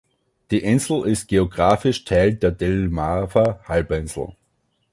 Die Insel ist geografisch Teil der Delmarva-Halbinsel.